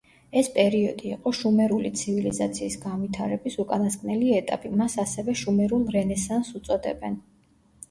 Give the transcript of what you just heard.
ეს პერიოდი იყო შუმერული ცივილიზაციის განვითარების უკანასკნელი ეტაპი, მას ასევე შუმერულ რენესანსს უწოდებენ.